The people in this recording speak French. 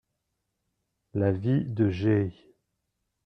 La vie de G.